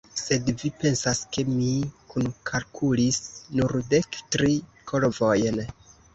Sed vi pensas, ke mi kunkalkulis nur dek tri korvojn?